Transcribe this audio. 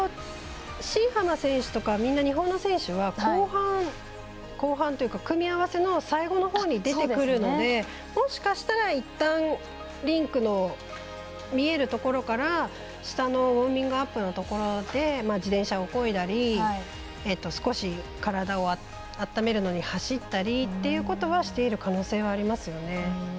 新濱選手とか日本の選手は組み合わせの最後のほうに出てくるのでもしかしたら、いったんリンクの見えるところから下のウォーミングアップのところで自転車をこいだり少し体を温めるのに走ったりっていうことはしている可能性はありますよね。